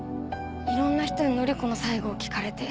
いろんな人に範子の最期を聞かれて。